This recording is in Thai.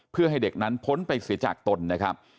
เพื่อให้เด็กนั้นพ้นไปเสียจากตนนะครับ